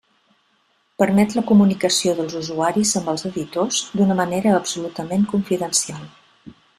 Permet la comunicació dels usuaris amb els editors d'una manera absolutament confidencial.